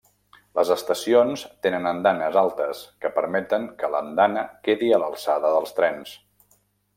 Les estacions tenen andanes altes, que permeten que l'andana quedi a l'alçada dels trens.